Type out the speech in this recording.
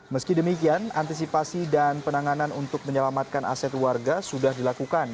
meski demikian antisipasi dan penanganan untuk menyelamatkan aset warga sudah dilakukan